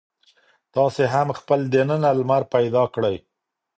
تاسې هم خپل دننه لمر پیدا کړئ.